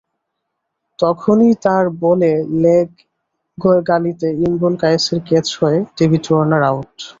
তখনই তাঁর বলে লেগ গালিতে ইমরুল কায়েসের ক্যাচ হয়ে ডেভিড ওয়ার্নার আউট।